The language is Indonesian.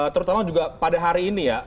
terutama juga pada hari ini ya